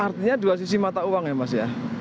artinya dua sisi mata uang ya mas ya